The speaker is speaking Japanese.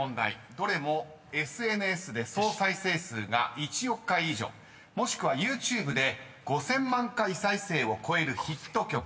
どれもＳＮＳで総再生数が１億回以上もしくはＹｏｕＴｕｂｅで５，０００万回再生を超えるヒット曲］